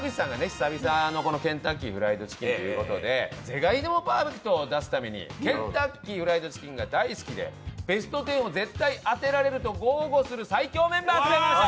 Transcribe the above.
久々のケンタッキーフライドチキンという事で是が非でもパーフェクトを出すためにケンタッキーフライドチキンが大好きでベスト１０を絶対当てられると豪語する最強メンバーが来てます。